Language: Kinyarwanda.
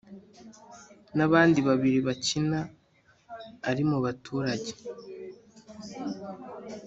nabandi babiri bakina ari mubaturage